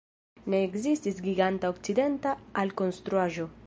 Ne ekzistis giganta okcidenta alkonstruaĵo.